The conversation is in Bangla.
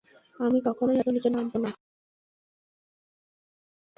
আমি কখনই এত নিচে নামব না।